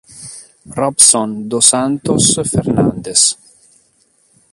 Robson dos Santos Fernandes